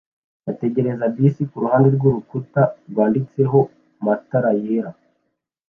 bategereza bisi kuruhande rwurukuta rwanditsehona matara yera